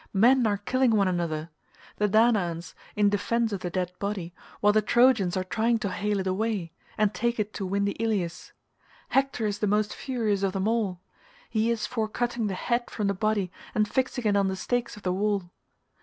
Men are killing one another, the Danaans in defence of the dead body, while the Trojans are trying to hale it away, and take it to windy Ilius: Hector is the most furious of them all; he is for cutting the head from the body and fixing it on the stakes of the wall.